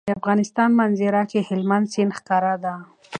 د افغانستان په منظره کې هلمند سیند ښکاره ده.